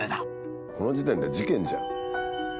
この時点で事件じゃん。